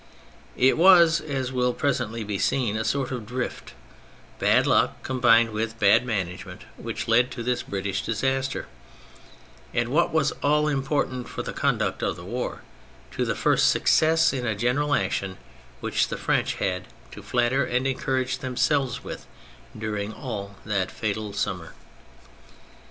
It was, as will presently be seen, a sort of drift, bad luck combined with bad management, which led to this British disaster, and (what was all important for the conduct of the war) to the first success in a general action which the French had to flatter and encourage them selves with during all that fatal summer.